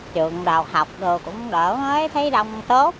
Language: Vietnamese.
trường đào học rồi cũng đỡ thấy đông tốt